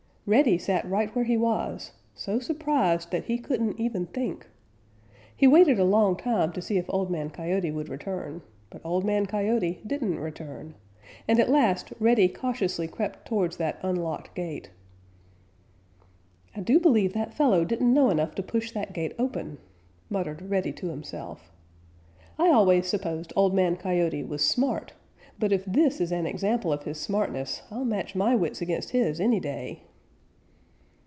Reddy sat right where he was, so surprised that he couldn't even think. He waited a long time to see if Old Man Coyote would return, but Old Man Coyote didn't return, and at last Reddy cautiously crept towards that unlocked gate. "I do believe that fellow didn't know enough to push that gate open," muttered Reddy to himself. "I always supposed Old Man Coyote was smart, but if this is an example of his smartness I'll match my wits against his any day."